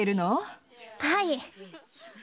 はい。